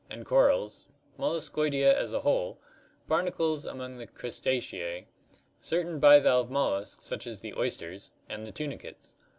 8), and corals; Molluscoidea as a whole; barnacles among the Crustacea; certain bivalve molluscs, such as the oysters; and the tunicates.